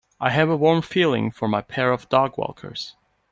I have a warm feeling for my pair of dogwalkers.